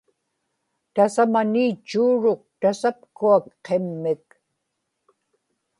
tasamani itchuuruk tasapkuak qimmik